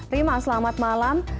rima selamat malam